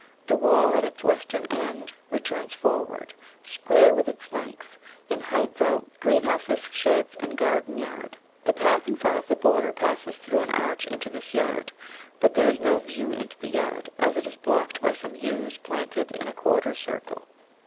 The wall at its western end returns forward, square with its length, and hides out greenhouses, sheds, and garden yard. The path in front of the border passes through an arch into this yard, but there is no view into the yard, as it is blocked by some Yews planted in a quarter circle.